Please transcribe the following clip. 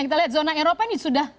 kita lihat zona eropa ini sudah